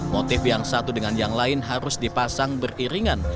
motif yang satu dengan yang lain harus dipasang beriringan